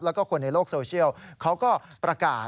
แล้วก็คนในโลกโซเชียลเขาก็ประกาศ